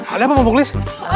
ada apa pompok lis